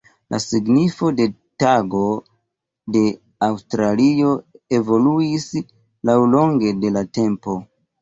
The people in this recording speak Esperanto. La signifo de Tago de Aŭstralio evoluis laŭlonge de la tempo.